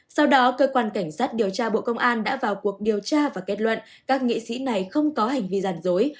sau đó cơ quan cảnh sát điều tra bộ công an đã vào cuộc điều tra và kết luận các nghị sĩ này không có hành vi gian dối